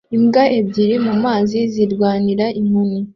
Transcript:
Imbwa ebyiri mumazi zirwanira inkoni